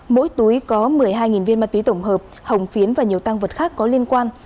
mỗi túi có một mươi hai viên ma túy tổng hợp hồng phiến và nhiều tăng vật khác có liên quan